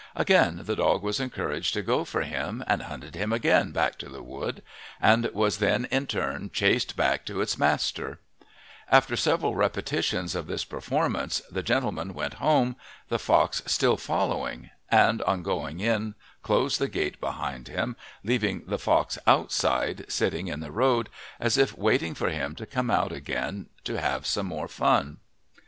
Again the dog was encouraged to go for him and hunted him again back to the wood, and was then in turn chased back to its master, After several repetitions of this performance, the gentleman went home, the fox still following, and on going in closed the gate behind him, leaving the fox outside, sitting in the road as if waiting for him to come out again to have some more fun.